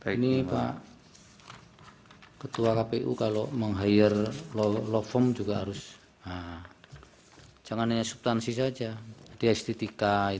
ini pak ketua kpu kalau meng hire law form juga harus jangan hanya subtansi saja dia estetika